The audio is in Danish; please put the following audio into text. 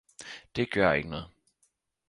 Det gjør ikke noget